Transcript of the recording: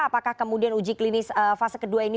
apakah kemudian uji klinis fase kedua ini